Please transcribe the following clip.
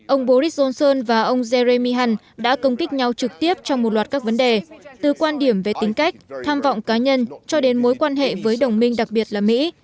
ông boris johnson và ông jeremy hunt đã công kích nhau trực tiếp trong một loạt các vấn đề từ quan điểm về tính cách tham vọng cá nhân cho đến mối quan hệ với đồng minh đặc biệt là mỹ